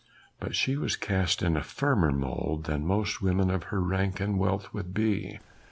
But she was cast in a firmer mould than most women of her rank and wealth would be.